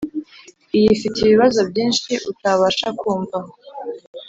iyi ifite ibibazo byinshi utabasha kumva